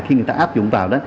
khi người ta áp dụng vào đó